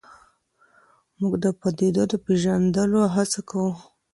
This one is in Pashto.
موږ د پدیدو د پېژندلو هڅه کوو.